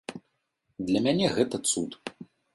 Для мяне гэта цуд.